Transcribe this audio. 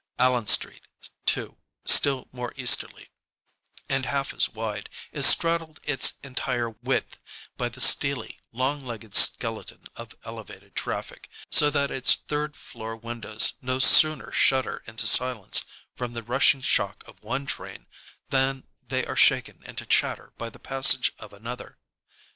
Allen Street, too, still more easterly, and half as wide, is straddled its entire width by the steely, long legged skeleton of Elevated traffic, so that its third floor windows no sooner shudder into silence from the rushing shock of one train than they are shaken into chatter by the passage of another.